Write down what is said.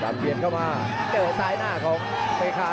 ดำเปียนเข้ามาเต้นไปซ้ายหน้าของเพคะ